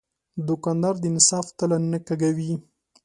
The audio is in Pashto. دوکاندار د انصاف تله نه کږوي.